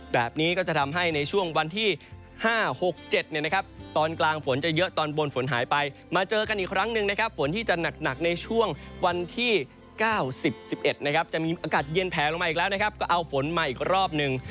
แบบนี้ก็จะทำให้ในช่วงวันที่๕๖๗ตอนกลางฝนจะเยอะตอนบนฝนหายไปมาเจอกันอีกครั้งหนึ่งนะครับฝนที่จะหนักในช่วงวันที่๙๑๑นะครับจะมีอากาศเย็นแผลลงมาอีกแล้วนะครับก็เอาฝนมาอีกรอบหนึ่ง